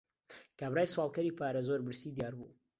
کابرای سواڵکەری پارە، زۆر برسی دیار بوو.